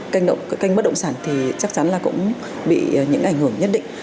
cái kênh bất động sản thì chắc chắn là cũng bị những ảnh hưởng nhất định